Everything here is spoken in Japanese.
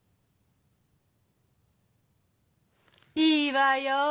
いいわよ。